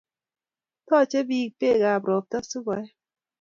Taache biik beekab robta si keee